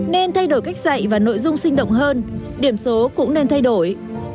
nên thay đổi cách dạy và nội dung sinh động hơn điểm số cũng nên thay đổi